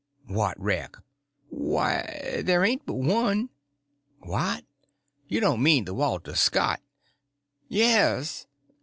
"What wreck?" "Why, there ain't but one." "What, you don't mean the Walter Scott?" "Yes."